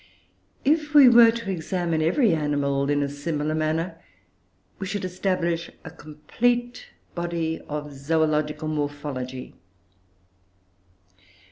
If we were to examine every animal in a similar manner, we should establish a complete body of zoological morphology.